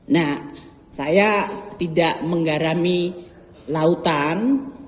nah saya tidak menggarami lautan